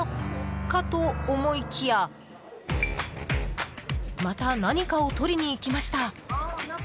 かと思いきやまた何かを取りに行きました。